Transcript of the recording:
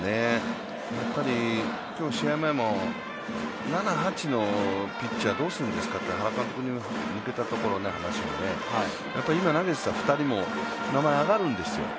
やっぱり今日の試合前も７、８のピッチャーどうするんですかと原監督に話を向けたところ、今、投げていた２人も名前が挙がるんですよ。